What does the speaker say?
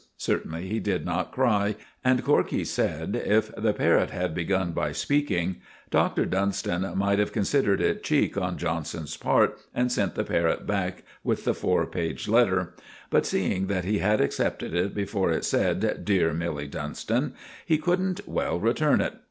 Certainly he did not cry, and Corkey said if the parrot had begun by speaking, Dr. Dunstan might have considered it cheek on Johnson's part and sent the parrot back with the four page letter; but seeing that he had accepted it before it said "Dear Milly Dunstan," he couldn't well return it.